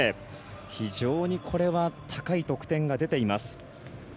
非常にこれは高い得点が出ています。